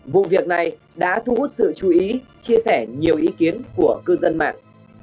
vụ việc này đã thu hút sự chú ý chia sẻ nhiều ý kiến của cư dân mạng